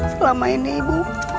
selama ini ibu